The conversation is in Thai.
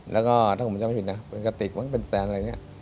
แล้วก็ถ้าผมจำไม่ผิดนะเป็นกระติกมันก็เป็นแฟนอะไรอย่างนี้